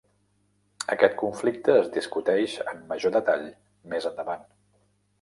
Aquest conflicte es discuteix en major detall més endavant.